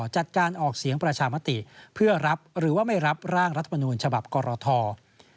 จัดการออกเสียงประชามติเพื่อรับหรือว่าไม่รับร่างรัฐมนูญฉบับกรท